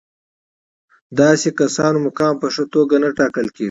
داسې کسانو مقام په ښه توګه نه ټاکل کېږي.